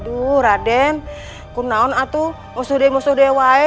apa yang yang saya lakukan adalah belle